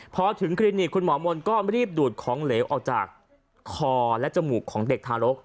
พอถึงคลินิกคุณหมอมนต์ก็รีบดูดของเหลวออกจากคอและจมูกของเด็กทารก